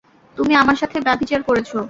তুমি আমার সাথে ব্যভিচার করেছ।